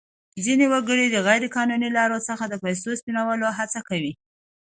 ځینې وګړي د غیر قانوني لارو څخه د پیسو سپینولو هڅه کوي.